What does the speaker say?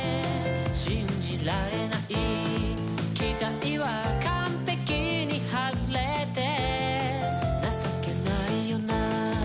信じられない期待は完璧に外れて情けないよな